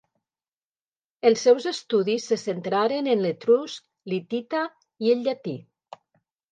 Els seus estudis se centraren en l'etrusc, l'hitita i el llatí.